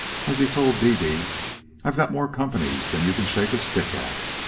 As he told Dede: "I've got more companies than you can shake a stick at.